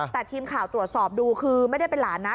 แต่ทีมข่าวตรวจสอบดูคือไม่ได้เป็นหลานนะ